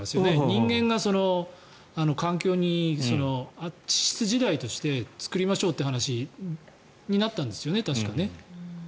人間が環境に地質時代として作りましょうという話になったんですよね、確か。